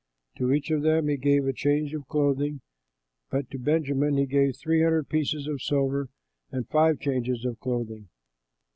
To each of them he gave a change of clothing, but to Benjamin he gave three hundred pieces of silver and five changes of clothing.